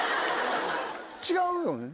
違うよね？